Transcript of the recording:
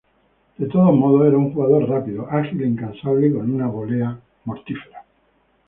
De todos modos, era un jugador rápido, ágil e incansable, con una volea mortífera.